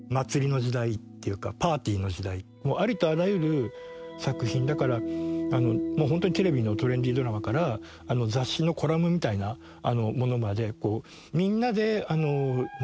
もうありとあらゆる作品だからもうホントにテレビのトレンディードラマから雑誌のコラムみたいなものまで。